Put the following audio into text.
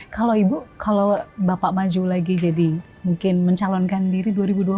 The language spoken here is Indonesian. kalau ibu kalau bapak maju lagi jadi mungkin mencalonkan diri dua ribu dua puluh empat